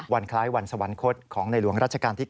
คล้ายวันสวรรคตของในหลวงรัชกาลที่๙